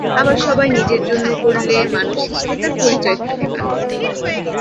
আবার সবাই নিজের জন্য করলে মানুষ হিসেবে তার পরিচয় থাকে না।